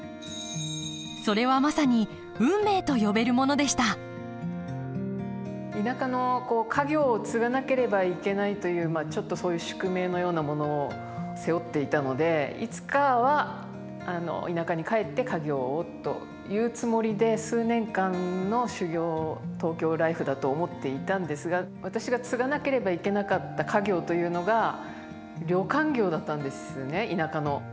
それはまさに運命と呼べるものでした田舎の家業を継がなければいけないというちょっとそういう宿命のようなものを背負っていたのでいつかは田舎に帰って家業をというつもりで数年間の修業東京ライフだと思っていたんですが私が継がなければいけなかった家業というのが旅館業だったんですね田舎の。